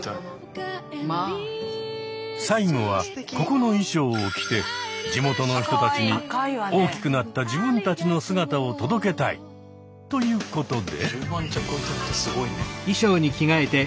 最後はここの衣装を着て地元の人たちに大きくなった自分たちの姿を届けたい。ということで。